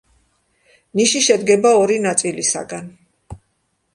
ნიში შედგება ორი ნაწილისაგან.